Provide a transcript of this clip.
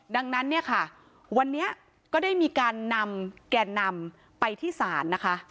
ดังนั้นเนี่ยค่ะวันนี้ก็ได้มีการนำแกนนำไปที่ศาลนะคะ